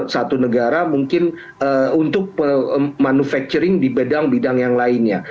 satu negara mungkin untuk manufacturing di bidang bidang yang lainnya